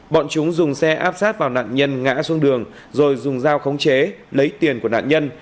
bọn chúng dùng xe áp sát vào nạn nhân ngã xuống đường rồi dùng dao khống chế lấy tiền của nạn nhân